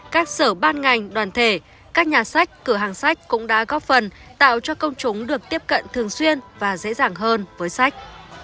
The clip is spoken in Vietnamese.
các sở ban ngành đoàn thể các nhà sách cửa hàng sách cũng đã góp phần tạo cho công chúng được tiếp cận thường xuyên và dễ dàng hơn với sách